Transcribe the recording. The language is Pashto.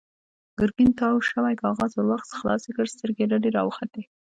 ګرګين تاو شوی کاغذ ور واخيست، خلاص يې کړ، سترګې يې رډې راوختې.